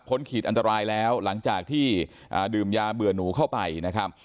ขีดอันตรายแล้วหลังจากที่ดื่มยาเบื่อหนูเข้าไปนะครับ